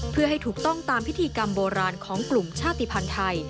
เพื่อให้ถูกต้องตามพิธีกรรมโบราณของกลุ่มชาติภัณฑ์ไทย